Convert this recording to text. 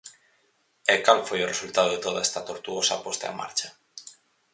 E, ¿cal foi o resultado de toda esta tortuosa posta en marcha?